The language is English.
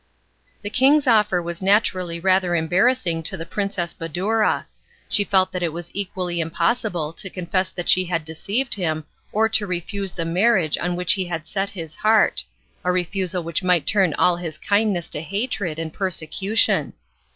The king's offer was naturally rather embarrassing to the Princess Badoura. She felt that it was equally impossible to confess that she had deceived him, or to refuse the marriage on which he had set his heart; a refusal which might turn all his kindness to hatred and persecution.